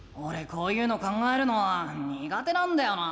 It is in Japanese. こういうの考えるのはにが手なんだよな。